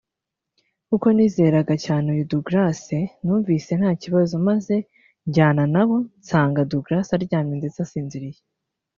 Kuko nizeraga cyane uyu Douglas numvise nta kibazo maze njyana nabo nsanga Douglas aryamye ndetse asinziriye